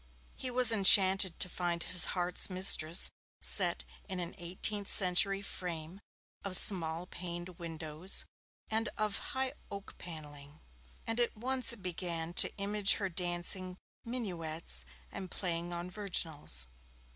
He was enchanted to find his heart's mistress set in an eighteenth century frame of small paned windows and of high oak panelling, and at once began to image her dancing minuets and playing on virginals.